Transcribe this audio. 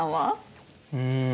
うん。